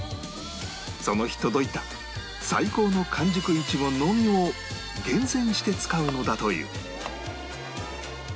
その日届いた最高の完熟イチゴのみを厳選して使うのだという